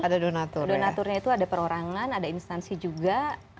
ada donaturnya itu ada perorangan ada instansi juga